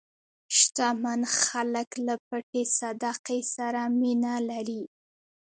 شتمن خلک له پټې صدقې سره مینه لري.